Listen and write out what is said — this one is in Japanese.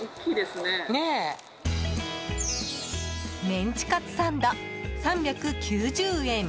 メンチカツサンド、３９０円。